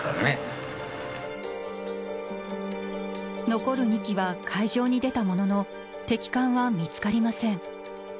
残る２機は海上に出たものの敵艦は見つかりません。